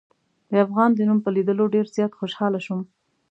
د افغان د نوم په لیدلو ډېر زیات خوشحاله شوم.